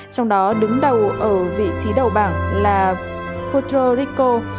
trong đó đứng đầu ở vị trí đầu bảng